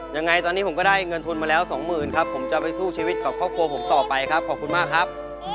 ยังไงตอนนี้ผมก็ได้เงินทุนมาแล้วสองหมื่นครับผมจะไปสู้ชีวิตกับครอบครัวผมต่อไปครับขอบคุณมากครับ